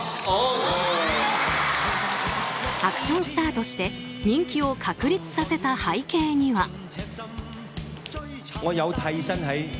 アクションスターとして人気を確立させた背景には。